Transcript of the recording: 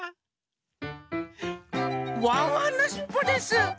ワンワンのしっぽです！